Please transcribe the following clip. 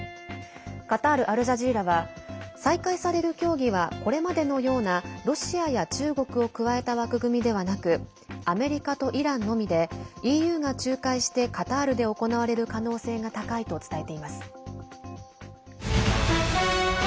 カタールアルジャジーラは再開される協議はこれまでのようなロシアや中国を加えた枠組みではなくアメリカとイランのみでＥＵが仲介してカタールで行われる可能性が高いと伝えています。